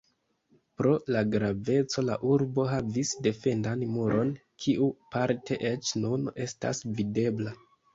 Pro la graveco la urbo havis defendan muron, kiu parte eĉ nun estas videbla.